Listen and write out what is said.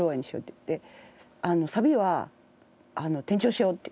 「サビは転調しよう」って言って。